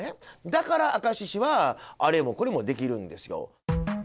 だから明石市は、あれもこれもできるんですよ。